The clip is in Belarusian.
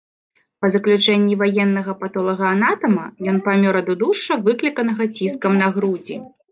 Па заключэнні ваеннага патолагаанатама, ён памёр ад удушша, выкліканага ціскам на грудзі.